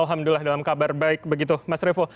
alhamdulillah dalam kabar baik begitu mas revo